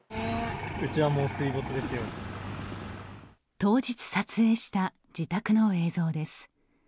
当日撮影した自宅の映像です。